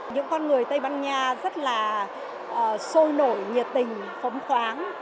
những con người tây ban nha rất là sôi nổi nhiệt tình phóng khoáng